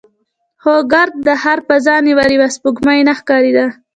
خو ګرد د ښار فضا نیولې وه، سپوږمۍ نه ښکارېده.